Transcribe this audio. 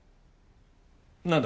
何だ？